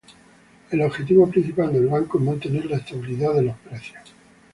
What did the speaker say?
El objetivo principal del banco es mantener la estabilidad de precios.